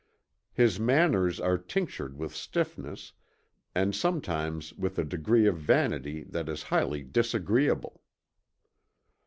His manners are tinctured with stiffness, and sometimes with a degree of vanity that is highly disagreeable."